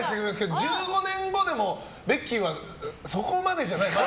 でも、１５年後でもベッキーはそこまでじゃないです。